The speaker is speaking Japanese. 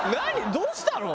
どうしたの？